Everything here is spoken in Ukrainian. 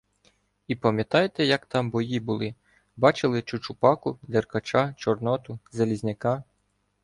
— І пам'ятаєте, як там бої були? Бачили Чучупаку, Деркача, Чорноту, Залізняка?